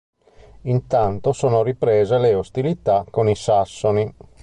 Intanto sono riprese le ostilità con i sassoni.